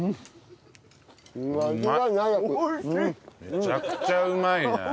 めちゃくちゃうまいね。